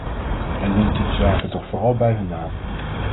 En noemt u de zaken toch vooral bij hun naam.